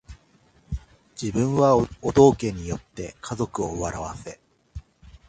自分はお道化に依って家族を笑わせ